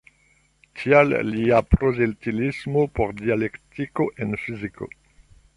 Tial lia prozelitismo por dialektiko en fiziko.